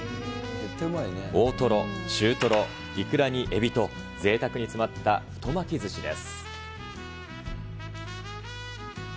大トロ、中トロ、イクラにエビと、ぜいたくに詰まった太巻きずしです。